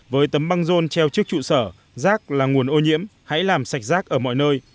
với tấm băng rôn treo trước trụ sở rác là nguồn ô nhiễm hãy làm sạch rác ở mọi nơi